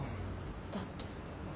だって。